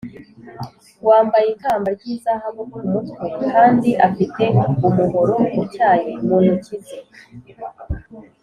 wambaye ikamba ry’izahabu ku mutwe kandi afite umuhoro utyaye mu intoki ze.